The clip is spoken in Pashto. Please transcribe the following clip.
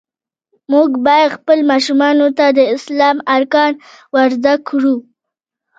مونږ باید خپلو ماشومانو ته د اسلام ارکان ور زده کړو.